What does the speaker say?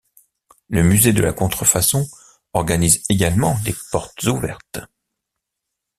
Le Musée de la Contrefaçon organise également des Portes Ouvertes.